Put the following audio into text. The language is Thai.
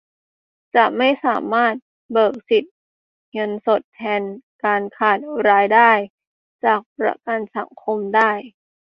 จะไม่สามารถเบิกสิทธิ์เงินทดแทนการขาดรายได้จากประกันสังคมได้